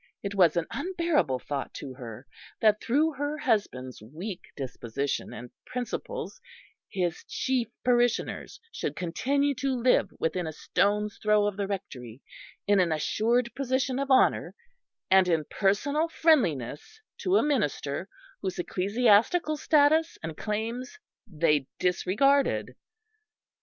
It was an unbearable thought to her that through her husband's weak disposition and principles his chief parishioners should continue to live within a stone's throw of the Rectory in an assured position of honour, and in personal friendliness to a minister whose ecclesiastical status and claims they disregarded.